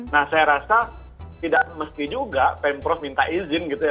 nah saya rasa tidak mesti juga pemprov minta izin gitu ya